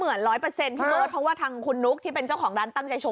ไม่เหมาะ๑๐๐บ๊วยเพราะว่าทางคุณนุ๊กที่เป็นเจ้าของด้านตั้งใจชง